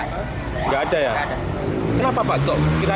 nggak ada ya kenapa pak